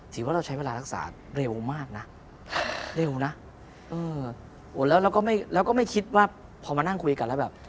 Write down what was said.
ถือว่าเราใช้เวลารักษาเร็วมากนะเร็วนะแล้วก็ไม่คิดว่าพอมานั่งคุยกันแล้วแบบ